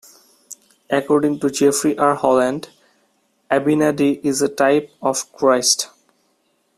According to Jeffrey R. Holland, Abinadi is a type of Christ.